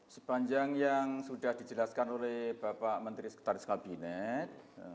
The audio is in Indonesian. sepanjang yang sudah dijelaskan oleh bapak menteri sekretaris kabinet